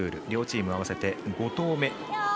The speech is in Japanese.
両チーム合わせて５投目。